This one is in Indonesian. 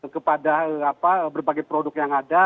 kepada berbagai produk yang ada